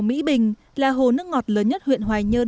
hồ mỹ bình là hồ nước ngọt lớn nhất huyện hoài nhơ